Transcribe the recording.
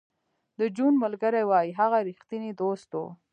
د جون ملګري وایی هغه رښتینی دوست و